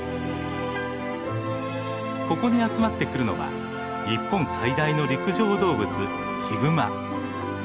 ここに集まってくるのは日本最大の陸上動物ヒグマ。